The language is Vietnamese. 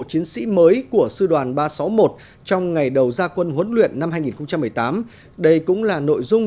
chiến sĩ mới của sư đoàn ba trăm sáu mươi một trong ngày đầu gia quân huấn luyện năm hai nghìn một mươi tám đây cũng là nội dung